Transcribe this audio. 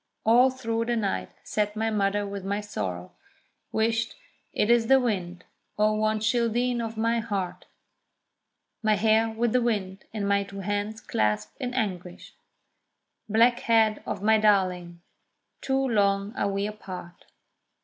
All through the night sat my mother with my sorrow; "Whisht, it is the wind, O one childeen of my heart!" My hair with the wind, and my two hands clasped in anguish; Black head of my darling! too long are we apart.